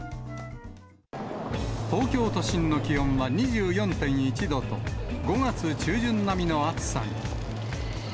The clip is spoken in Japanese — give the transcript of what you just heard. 東京都心の気温は２４．１度と、５月中旬並みの暑さに。